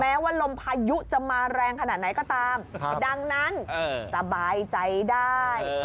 ว่าลมพายุจะมาแรงขนาดไหนก็ตามดังนั้นสบายใจได้